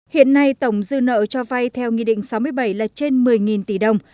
hiện nay tổng dư nợ cho vay theo nghị định sáu mươi bảy là trên một mươi tỷ đồng